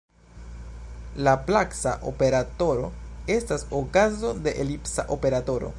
Laplaca operatoro estas okazo de elipsa operatoro.